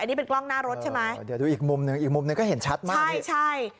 อันนี้เป็นกล้องหน้ารถใช่ไหมเดี๋ยวดูอีกมุมหนึ่งอีกมุมหนึ่งก็เห็นชัดมากใช่ใช่